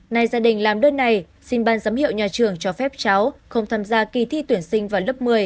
nay gia đình làm đơn này xin ban giám hiệu nhà trường cho phép cháu không tham gia kỳ thi tuyển sinh vào lớp một mươi